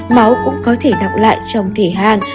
máu cũng có thể đọc lại trong thể hàng